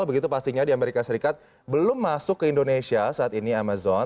begitu pastinya di amerika serikat belum masuk ke indonesia saat ini amazon